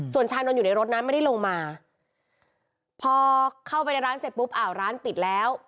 ส่วนชานนท์อยู่ในรถนั้นไม่ได้ลงมาพอเข้าไปในร้านเสร็จปุ๊บอ้าวร้านปิดแล้ว